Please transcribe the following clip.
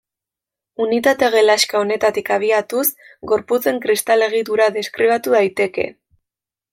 Unitate-gelaxka honetatik abiatuz, gorputzen kristal-egitura deskribatu daiteke.